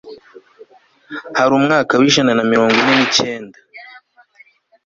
hari mu mwaka w'ijana na mirongo ine n'icyenda